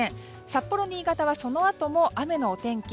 札幌や新潟はそのあとも雨のお天気。